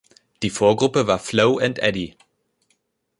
Die Vorgruppe war „Flo and Eddie“.